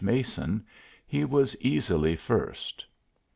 Mason, he was easily first.